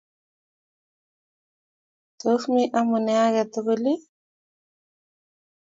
Tos mi amune age tugul ii?